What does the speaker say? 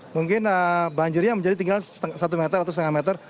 mungkin banjirnya menjadi tinggal satu meter atau setengah meter